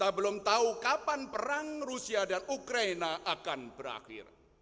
dan kita belum tahu kapan perang rusia dan ukraina akan berakhir